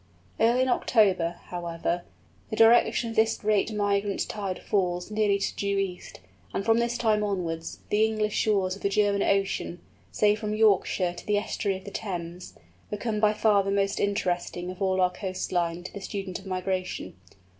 Early in October, however, the direction of this great migrant tide falls nearly to due east, and from this time onwards, the English shores of the German Ocean, say from Yorkshire to the estuary of the Thames, become by far the most interesting of all our coast line to the student of Migration.